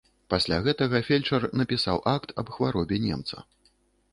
Пасля гэтага фельчар напісаў акт аб хваробе немца.